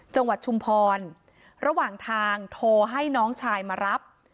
ชุมพรระหว่างทางโทรให้น้องชายมารับ